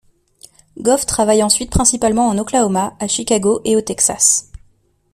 Goff travaille ensuite principalement en Oklahoma, à Chicago et au Texas.